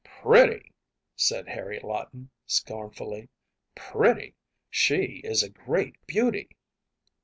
‚ÄĚ ‚ÄúPretty!‚ÄĚ said Harry Lawton, scornfully, “pretty! She is a great beauty.